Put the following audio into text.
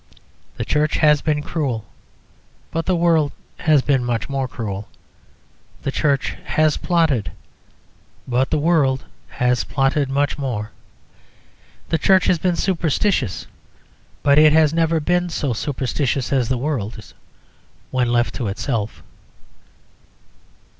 The Church has been cruel; but the world has been much more cruel. The Church has plotted; but the world has plotted much more. The Church has been superstitious; but it has never been so superstitious as the world is when left to itself.